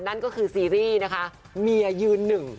นั่นก็คือซีรีส์นะคะเมียยืนหนึ่ง